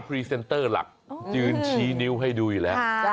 รีเซนเตอร์หลักยืนชี้นิ้วให้ดูอยู่แล้ว